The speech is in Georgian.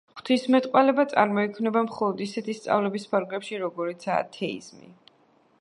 ღვთისმეტყველება წარმოიქმნება მხოლოდ ისეთი სწავლების ფარგლებში, როგორიცაა თეიზმი.